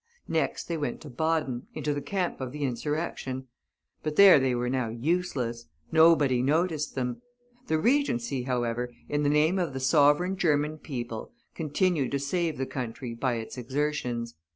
Next they went to Baden, into the camp of the insurrection; but there they were now useless. Nobody noticed them. The Regency, however, in the name of the Sovereign German people, continued to save the country by its exertions.